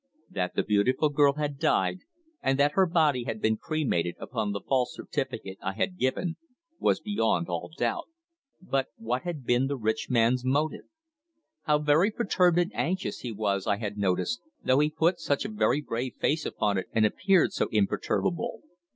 That the beautiful girl had died, and that her body had been cremated upon the false certificate I had given, was beyond all doubt. But what had been the rich man's motive? How very perturbed and anxious he was I had noticed, though he put such a very brave face upon it and appeared so imperturbable.